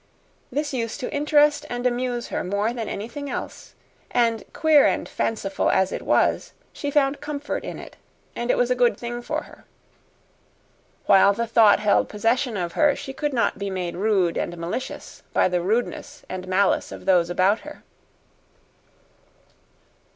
This used to interest and amuse her more than anything else; and queer and fanciful as it was, she found comfort in it and it was a good thing for her. While the thought held possession of her, she could not be made rude and malicious by the rudeness and malice of those about her.